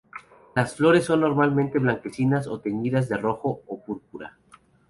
Las flores son normalmente blanquecinas o teñidas de rojo o púrpura.